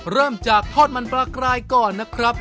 เริ่มจากทอดมันปลากรายก่อนนะครับ